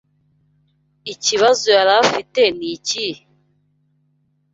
Ikibazo yari afite nikihe?